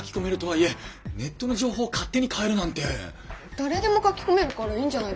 誰でも書き込めるからいいんじゃないですか？